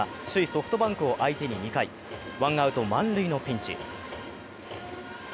ソフトバンクを相手に２回、ワンアウト満塁のピンチ。